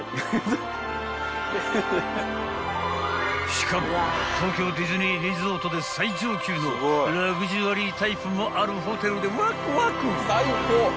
［しかも東京ディズニーリゾートで最上級のラグジュアリータイプもあるホテルでワクワク！］